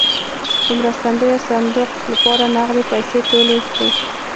د مرستندویه صندوق لپاره نغدې پیسې ټولې کړې.